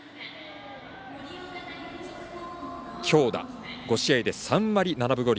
強打５試合で３割７分５厘。